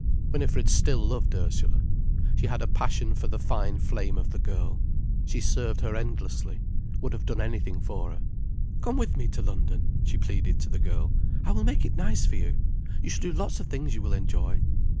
Winifred still loved Ursula. She had a passion for the fine flame of the girl, she served her endlessly, would have done anything for her. "Come with me to London," she pleaded to the girl. "I will make it nice for you,—you shall do lots of things you will enjoy."